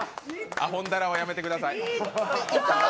あほんだらはやめてください。